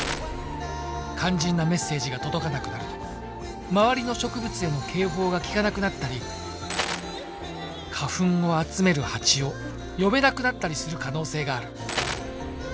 肝心なメッセージが届かなくなると周りの植物への警報が効かなくなったり花粉を集めるハチを呼べなくなったりする可能性がある。